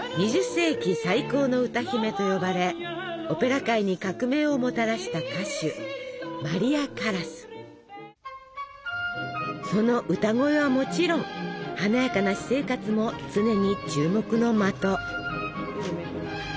２０世紀最高の歌姫と呼ばれオペラ界に革命をもたらした歌手その歌声はもちろん華やかな私生活も常に注目の的。